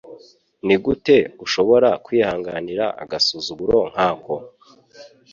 Nigute ushobora kwihanganira agasuzuguro nkako?